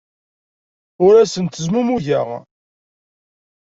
Ur asen-ttezmumugeɣ.